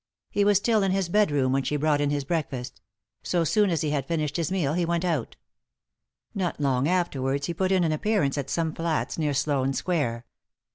He was still in his bedroom when she brought in his breakfast ; so soon as be had finished his meal he went out Not long afterwards he put in an appearance at some fiats near Sloane Square.